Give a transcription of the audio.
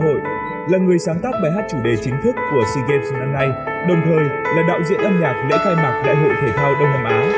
họ là người sáng tác bài hát chủ đề chính thức của seagames năm nay đồng thời là đạo diễn âm nhạc lễ khai mạc lễ hội thể thao đông nam á